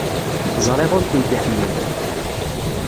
Ẓriɣ ur kent-iḥemmel.